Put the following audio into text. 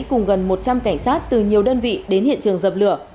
cùng gần một trăm linh cảnh sát từ nhiều đơn vị đến hiện trường dập lửa